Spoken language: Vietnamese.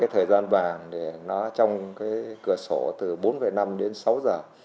thời gian vàng để nó trong cửa sổ từ bốn năm đến sáu giờ